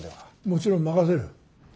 もちろん任せる。